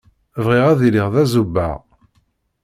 Bɣiɣ ad iliɣ d azubaɣ.